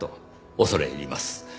恐れ入ります。